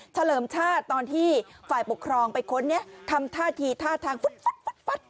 เชลิมชาติตอนที่ฝ่ายปกครองไปค้นเนี่ยทำท่าทีท่าทางฟุดฟุดฟุดฟุด